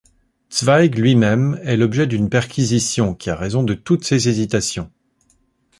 Zweig lui-même est l'objet d'une perquisition, qui a raison de toutes ses hésitations.